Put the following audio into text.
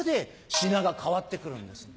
品が変わってくるんですね